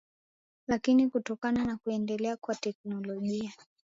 lakini kutokana na kuendelea kwa teknolojia